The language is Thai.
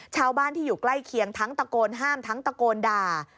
ชาวบ้านที่อยู่ใกล้เคียงทั้งตะโกนห้ามทั้งตะโกนด่า